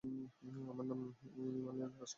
আমার নাম Emmanuel Rajkumar junior.